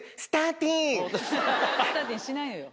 スターティンしないのよ。